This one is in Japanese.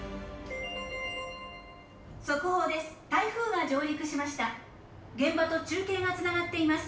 「速報です。